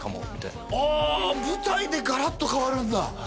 舞台でガラッと変わるんだは